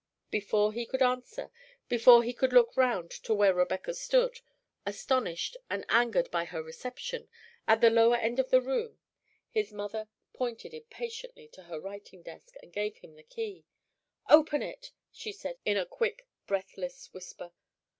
Before he could answer before he could look round to where Rebecca stood, astonished and angered by her reception, at the lower end of the room, his mother pointed impatiently to her writing desk, and gave him the key. "Open it," she said, in a quick breathless whisper.